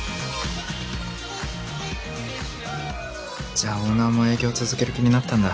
じゃあオーナーも営業続ける気になったんだ。